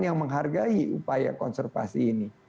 yang menghargai upaya konservasi ini